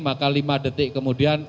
maka lima detik kemudian